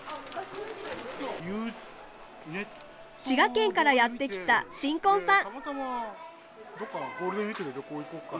滋賀県からやって来た新婚さん。